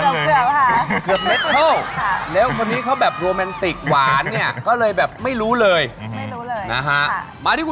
เห็นหน้าฟังเพลงแน่มาก